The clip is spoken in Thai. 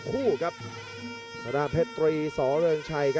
มีความรู้สึกว่า